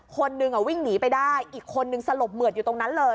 คนหนึ่งวิ่งหนีไปได้อีกคนนึงสลบเหมือดอยู่ตรงนั้นเลย